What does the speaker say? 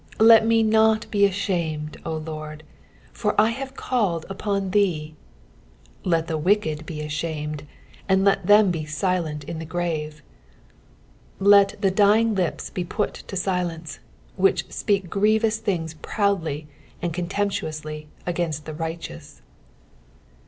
17 Let me not be ashamed, O LORD ; for I have called upon thee : let the wicked be ashamed, and let them be silent in the grave. 18 Let the dying lips be put to silence; which speak grievous things proudly and contemptuously against the righteous.